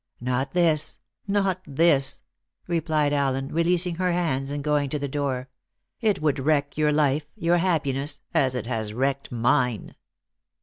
"Not this, not this," replied Allen, releasing her hands and going to the door; "it would wreck your life, your happiness, as it has wrecked mine."